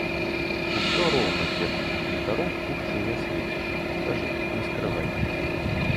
Усё роўна, дзеткі, ліхтаром пушчы не асвеціш, кажы, не скрывай.